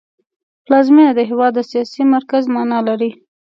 پلازمېنه د هېواد د سیاسي مرکز مانا لري